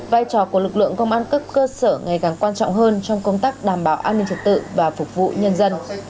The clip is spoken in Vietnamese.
vai trò của lực lượng công an cấp cơ sở ngày càng quan trọng hơn trong công tác đảm bảo an ninh trật tự và phục vụ nhân dân